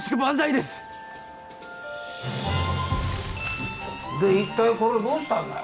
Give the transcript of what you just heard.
で一体これどうしたんだい？